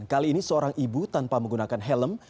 kali ini seorang ibu tanpa menggunakan helm